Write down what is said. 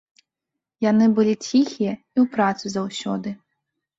Яны былі ціхія і ў працы заўсёды.